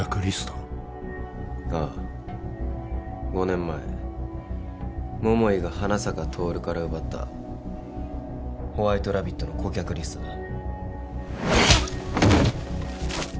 ５年前桃井が花坂トオルから奪ったホワイトラビットの顧客リストだ。